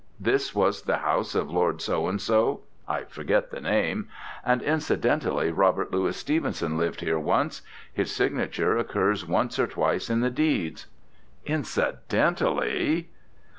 —"This was the house of Lord So and so" (I forget the name)—"and incidentally, Robert Louis Stevenson lived here once. His signature occurs once or twice in the deeds." Incidentally!...